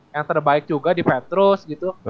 yang terbaik juga di petrus gitu